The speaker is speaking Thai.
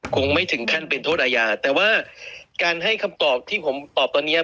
คงไม่ถึงขั้นเป็นโทษอาญาแต่ว่าการให้คำตอบที่ผมตอบตอนเนี้ย